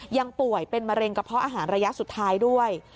ยังป่วยเป็นมะเร็งกระเพาะอาหารระยะสุดท้ายด้วย